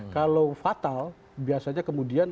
kalau fatal biasanya kemudian